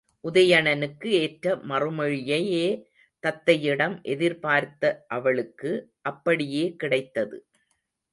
உதயணனுக்கு ஏற்ற மறுமொழியையே தத்தையிடம் எதிர்பார்த்த அவளுக்கு அப்படியே கிடைத்தது.